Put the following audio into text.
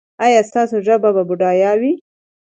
ایا ستاسو ژبه به بډایه وي؟